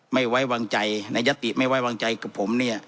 ไม่ไว้วางใจนายติไม่ไว้วางใจกับผม